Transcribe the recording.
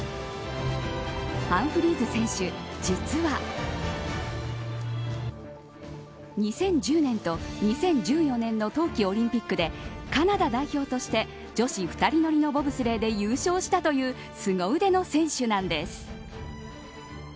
ハンフリーズ選手、実は２０１０年と２０１４年の冬季オリンピックでカナダ代表として女子２人乗りのボブスレーで優勝したというすご腕の選手なんです。